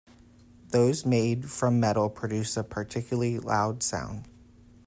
Those made from metal produce a particularly loud sound.